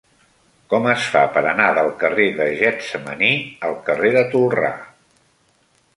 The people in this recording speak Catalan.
Com es fa per anar del carrer de Getsemaní al carrer de Tolrà?